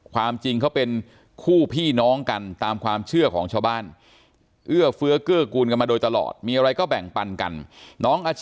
ความจริงเขาเป็นคู่พี่น้องกันตามความเชื่อของชาวบ้าน